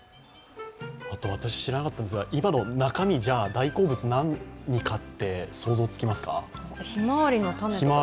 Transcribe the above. あと私、知らなかったんですが、中見、大好物何か想像つきますか？